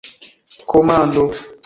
komando